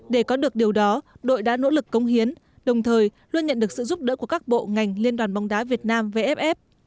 để có được điều đó đội đã nỗ lực công hiến đồng thời luôn nhận được sự giúp đỡ của các bộ ngành liên đoàn bóng đá việt nam vff